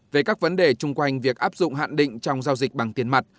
về các vấn đề chung quanh việc áp dụng hạn định trong giao dịch bằng tiền mặt